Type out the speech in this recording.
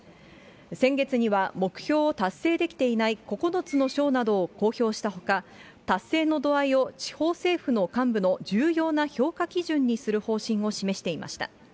先月には目標を達成できていない９つの省などを公表したほか、達成の度合いを地方政府の幹部の重要な評価基準にする方針を示していました。